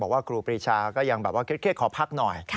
บอกว่าครูปรีชาก็อย่างแบบว่าเครียดขอพักหน่อย